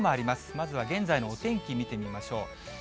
まずは現在のお天気見てみましょう。